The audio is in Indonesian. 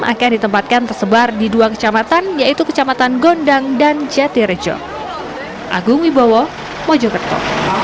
akan ditempatkan tersebar di dua kecamatan yaitu kecamatan gondang dan jatirejo